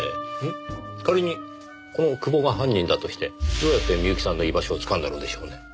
仮にこの久保が犯人だとしてどうやって深雪さんの居場所をつかんだのでしょうね。